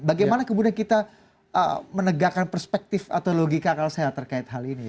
bagaimana kemudian kita menegakkan perspektif atau logika akal sehat terkait hal ini